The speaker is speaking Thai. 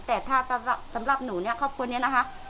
แต่ถ้าสำหรับหนูเนี่ยครอบครัวนี้นะคะ